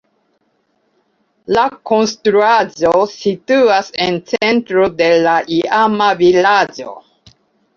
La konstruaĵo situas en centro de la iama vilaĝo.